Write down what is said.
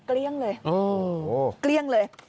เกลี้ยงเลยเกลี้ยงเลย